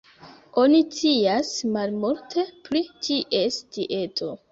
Oni scias malmulte pri ties dieto.